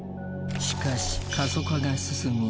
しかし過疎化が進み